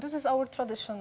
ini adalah tradisi kami